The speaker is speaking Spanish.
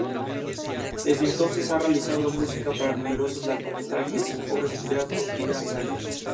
Es una especie común y ampliamente distribuida en el Indo-Pacífico tropical.